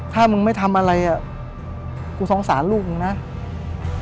ถ้ามึงไม่ทำอะไรอ่ะกูสงสารลูกมึงนะ